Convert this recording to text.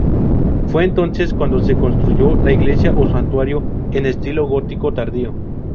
Fue entonces cuando se construyó la iglesia o santuario, en estilo gótico tardío.